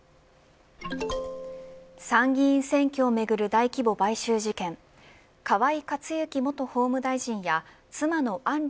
参議院選挙をめぐる大規模買収事件河井克行元法務大臣や妻の案